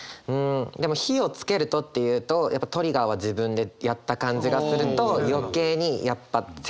でも「火をつけると」っていうとやっぱトリガーは自分でやった感じがすると余計にやっぱ制御は不能。